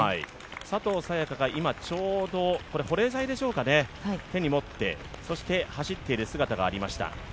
佐藤早也伽が今ちょうど保冷剤でしょうか、手に持ってそして、走っている姿がありました